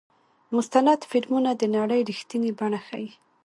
مستند فلمونه د نړۍ رښتینې بڼه ښيي.